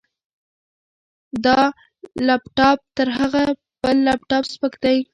دا لپټاپ تر هغه بل لپټاپ سپک دی.